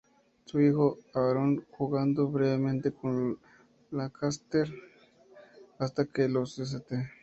Su hijo, Aaron, jugado brevemente con Lancaster hasta que a los St.